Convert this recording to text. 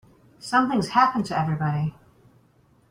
Something's happened to everybody.